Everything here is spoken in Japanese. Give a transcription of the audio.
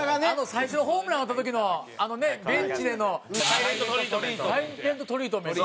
最初のホームラン打った時のあのねベンチでのサイレント・トリートメント。